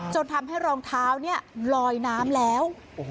จนทำให้รองเท้าลอยน้ำแล้ว